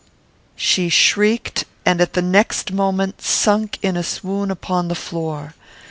She shrieked; and, at the next moment, sunk in a swoon upon the floor.